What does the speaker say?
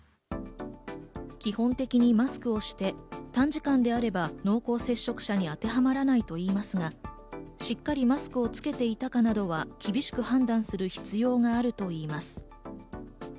基本的にマスクをして短時間であれば濃厚接触者に当てはまらないと言いますが、しっかりマスクをつけていたかなどは厳しく判断する必要があるといいます。